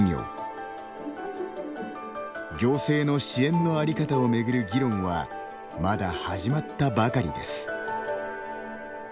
行政の支援の在り方をめぐる議論はまだ始まったばかりです。